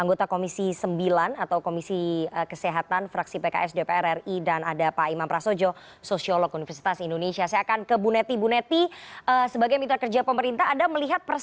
nuskesa akan segera kembali